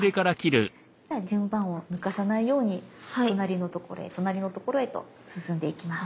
じゃあ順番を抜かさないように隣のところへ隣のところへと進んでいきます。